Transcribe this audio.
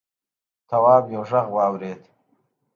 تواب یوه غږ واورېد.